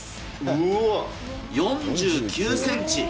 うわ、４９センチ。